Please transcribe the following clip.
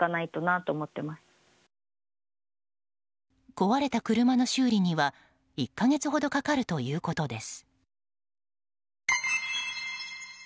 壊れた車の修理には１か月ほどかかるということです。